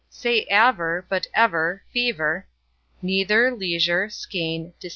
Say aver, but ever, fever, Neither, leisure, skein, receiver.